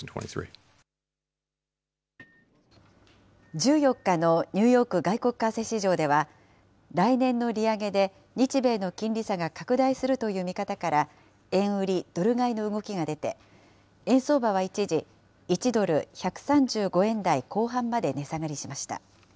１４日のニューヨーク外国為替市場では、来年の利上げで、日米の金利差が拡大するという見方から、円売りドル買いの動きが出て、円相場は一時、１ドル１３５円台後半まで値下がりしました。